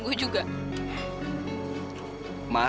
kenapa lo marah